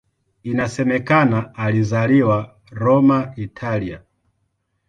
Inasemekana alizaliwa Roma, Italia.